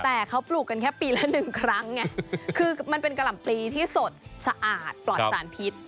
แต่เขาปลูกกันแค่ปีละหนึ่งครั้งไงคือมันเป็นกะหล่ำปลีที่สดสะอาดปลอดสารพิษ